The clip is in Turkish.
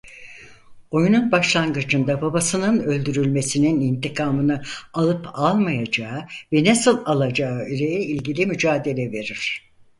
Oyunun başlangıcında babasının öldürülmesinin intikamını alıp almayacağı ve nasıl alacağı ile ilgili mücadele verir.